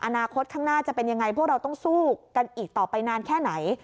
อนาคตข้างหน้าจะเป็นยังไงพวกเราต้องสู้กันอีกต่อไปนานแค่ไหน